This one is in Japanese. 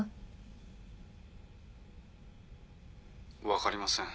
分かりません。